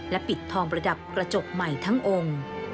ปิดทองประดับกระจกใหม่ทั้งองค์